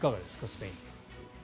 スペイン。